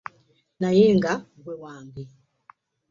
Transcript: Naye nga gwe wange.